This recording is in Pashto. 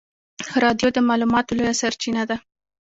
رادیو د معلوماتو لویه سرچینه ده.